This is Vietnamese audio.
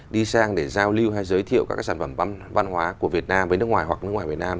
đi sang để giao lưu hay giới thiệu các sản phẩm văn hóa của việt nam với nước ngoài hoặc nước ngoài việt nam